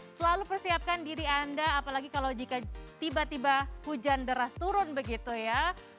selalu persiapkan diri anda apalagi kalau jika tiba tiba hujan deras turun begitu ya